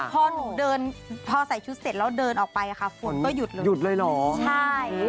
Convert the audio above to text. พอหนูเดินพอใส่ชุดเสร็จแล้วเดินออกไปฝนก็หยุดเลย